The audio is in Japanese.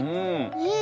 えっ！